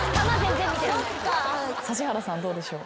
指原さんどうでしょう？